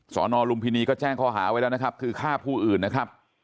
สอนอลุมพินีก็แจ้งข้อหาไว้แล้วนะครับคือฆ่าผู้อื่นนะครับ